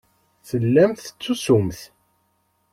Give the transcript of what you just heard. Tellamt tettusumt.